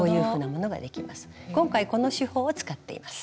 今回この手法を使っています。